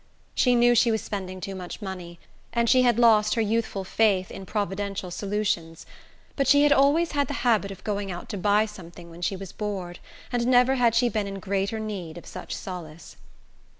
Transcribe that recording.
She knew she was spending too much money, and she had lost her youthful faith in providential solutions; but she had always had the habit of going out to buy something when she was bored, and never had she been in greater need of such solace.